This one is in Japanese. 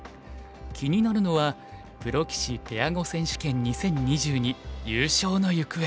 気になるのはプロ棋士ペア碁選手権２０２２優勝の行方。